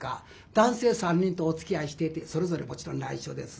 男性３人とおつきあいしててそれぞれもちろん内緒です。